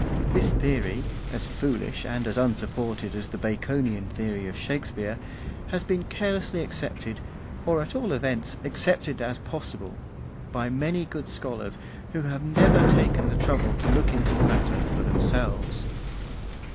This theory, as foolish and as unsupported as the Baconian theory of Shakespeare, has been carelessly accepted, or at all events accepted as possible, by many good scholars who have never taken the trouble to look into the matter for themselves.